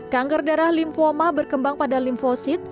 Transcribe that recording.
kanker darah lymphoma berkembang pada limfosit